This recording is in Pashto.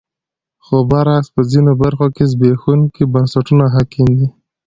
خو برعکس په ځینو برخو کې زبېښونکي بنسټونه حاکم دي.